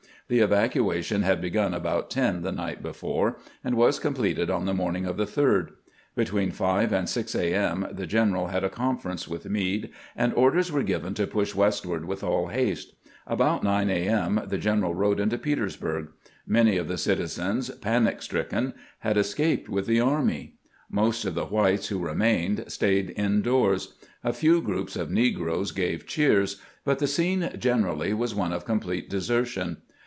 The evacuation had begun about ten the night before, and was completed on the morning of the 3d. Between 5 and 6 a. m. the general had a conference with Meade, and orders were given to push westward with all haste. About 9 a, m. the general rode into Petersburg. Many of the citizens, panic stricken, had escaped with the army. Most of the whites who remained stayed indoors ; a few groups of negroes gave cheers, but the scene generally was one of complete desertion.